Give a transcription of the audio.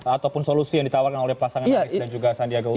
ataupun solusi yang ditawarkan oleh pasangan anies dan juga sandiaga uno